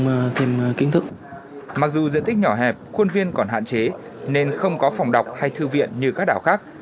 mặc dù diện tích nhỏ hẹp khuôn viên còn hạn chế nên không có phòng đọc hay thư viện như các đảo khác